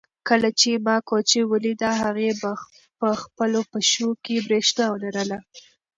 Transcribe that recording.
کله چې ما کوچۍ ولیده هغې په خپلو پښو کې برېښنا لرله.